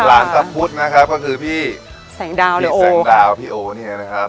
หลานตะพุทธนะครับก็คือพี่แสงดาวพี่แสงดาวพี่โอเนี่ยนะครับ